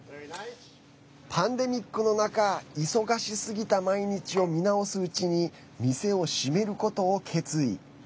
パンデミックの中忙しすぎた毎日を見直すうちに店を閉めることを決意。